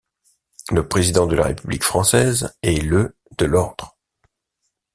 Le président de la République française est le de l'ordre.